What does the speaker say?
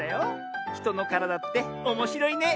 ひとのからだっておもしろいね。